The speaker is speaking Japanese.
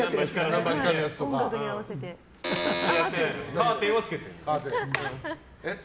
カーテンはつけてる。